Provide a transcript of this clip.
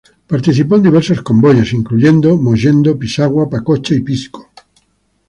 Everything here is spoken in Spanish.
Participó en diversos convoyes, incluyendo Mollendo, Pisagua, Pacocha y Pisco.